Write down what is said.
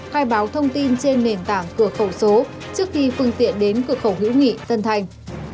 khai báo thông tin trên nền tảng cửa khẩu số trước khi phương tiện đến cửa khẩu hữu nghị tân thành